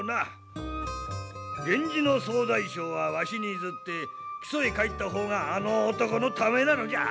源氏の総大将はわしに譲って木曽へ帰った方があの男のためなのじゃ。